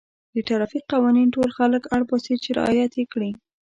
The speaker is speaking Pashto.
د ټرافیک قوانین ټول خلک اړ باسي چې رعایت یې کړي.